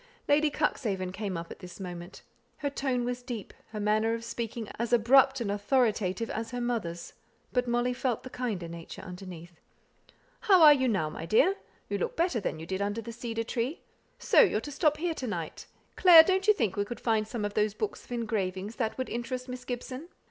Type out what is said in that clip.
Lady Cuxhaven came up at this moment. Her tone was as deep, her manner of speaking as abrupt and authoritative, as her mother's, but Molly felt the kinder nature underneath. "How are you now, my dear? You look better than you did under the cedar tree. So you're to stop here to night? Clare, don't you think we could find some of those books of engravings that would interest Miss Gibson."